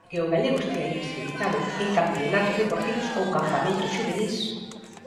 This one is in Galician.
Que o galego estea invisibilizado en campionatos deportivos ou campamentos xuvenís.